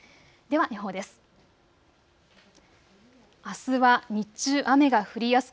では予報です。